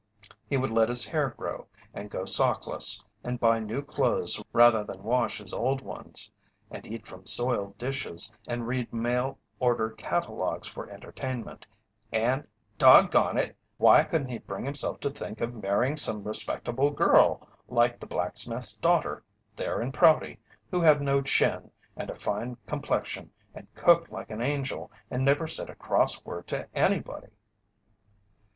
He would let his hair grow, and go sockless, and buy new clothes rather than wash his old ones, and eat from soiled dishes, and read mail order catalogues for entertainment, and dog gone it! why couldn't he bring himself to think of marrying some respectable girl like the blacksmith's daughter there in Prouty, who had no chin and a fine complexion and cooked like an angel and never said a cross word to anybody?